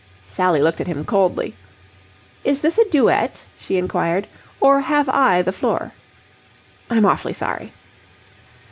Sally looked at him coldly. "Is this a duet?" she inquired, "or have I the floor?" "I'm awfully sorry."